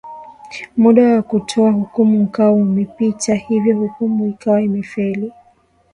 Muda wa kotoa hukumu ukawa umepita hivyo hukumu ikawa imefeli